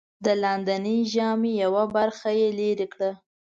د لاندېنۍ ژامې یوه برخه یې لرې کړه.